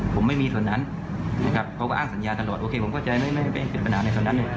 ผมไม่มีส่วนนั้นนะครับเขาก็อ้างสัญญาตลอดโอเคผมเข้าใจไม่เป็นปัญหาในส่วนนั้นเลย